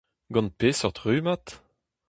Gant peseurt rummad ?